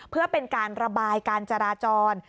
เพื่อเป็นการระบายการจราจร